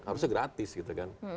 harusnya gratis gitu kan